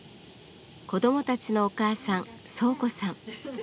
子供たちのお母さん宗子さん。